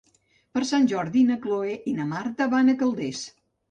Per Sant Jordi na Cloè i na Marta van a Calders.